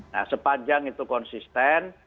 nah sepanjang itu konsisten